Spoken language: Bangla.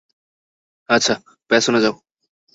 আচ্ছা, পেছনে যাও।